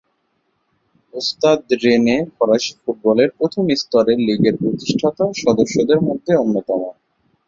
স্তাদ Rennes ফরাসি ফুটবলের প্রথম স্তরের লীগের প্রতিষ্ঠাতা সদস্যদের মধ্যে অন্যতম।